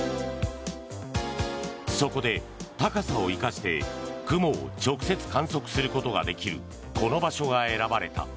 そこで、高さを生かして雲を直接観測することができるこの場所が選ばれた。